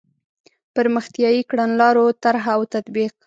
پرمختیایي کړنلارو طرح او تطبیق.